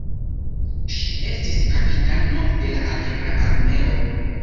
Ŝi estis kapitano de la aera armeo.